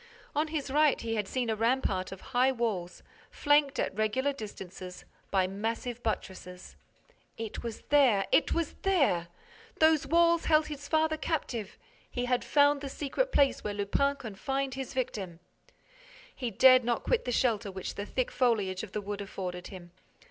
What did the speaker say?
On his right, he had seen a rampart of high walls, flanked, at regular distances, by massive buttresses. It was there! It was there! Those walls held his father captive! He had found the secret place where Lupin confined his victim. He dared not quit the shelter which the thick foliage of the wood afforded him.